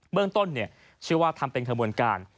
เรื่องต้นเชื่อว่าทำเป็นขบวนการ